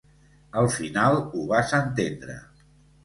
Al final ho vas entendre.